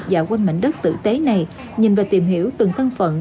dạo quanh mảnh đất tử tế này nhìn và tìm hiểu từng thân phận